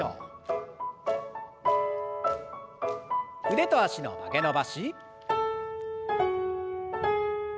腕と脚の曲げ伸ばし。